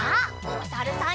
おさるさん。